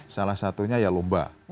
salah satunya ya lomba